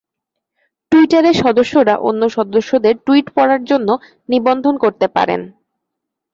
টুইটারের সদস্যরা অন্য সদস্যদের টুইট পড়ার জন্য নিবন্ধন করতে পারেন।